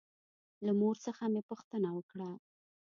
له مور څخه مې پوښتنه وکړه.